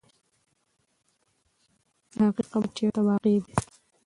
د هغې قبر چېرته واقع دی؟